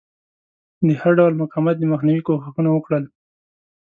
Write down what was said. د هر ډول مقاومت د مخنیوي کوښښونه وکړل.